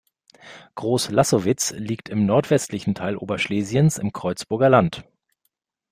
Gross Lassowitz liegt im nordwestlichen Teil Oberschlesiens im Kreuzburger Land.